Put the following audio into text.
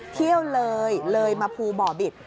เที่ยวเลยเลยมาภูบ่อบิต